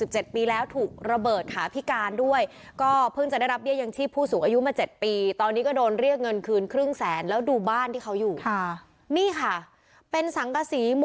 จากกรมจากกรมจากกรมจากกรมจากกรมจากกรมจากกรมจากกรมจากกรม